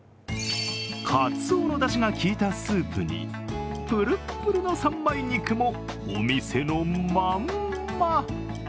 かつおのだしが効いたスープにプルップルの三枚肉もお店のまんま。